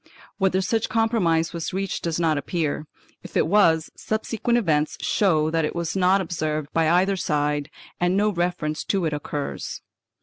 Whether such compromise was reached does not appear; if it was, subsequent events show that it was not observed by either side and no reference to it occurs.